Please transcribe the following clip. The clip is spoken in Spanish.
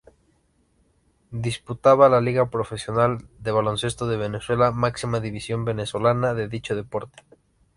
Disputaba la Liga Profesional de Baloncesto de Venezuela, máxima división venezolana de dicho deporte.